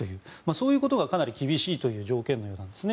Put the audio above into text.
そういうことがかなり厳しい条件のようです。